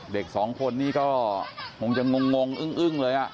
เด็กสองคนนี้ก็คงจะงงอึ้งเลย